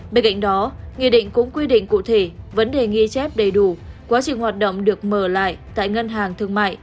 bên cạnh đó nghị định cũng quy định cụ thể vấn đề ghi chép đầy đủ quá trình hoạt động được mở lại tại ngân hàng thương mại